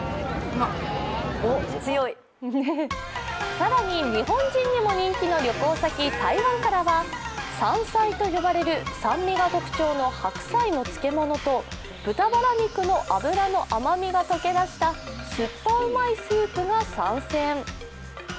更に日本人にも人気の旅行先・台湾からはサンサイと呼ばれる酸味が特徴の白菜の漬物と豚バラ肉の脂の甘みが溶け出したすっぱうまいスープが参戦。